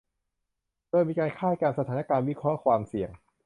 โดยมีการคาดการณ์สถานการณ์ วิเคราะห์ความเสี่ยง